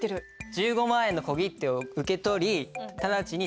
１５万円の小切手を受け取りただちに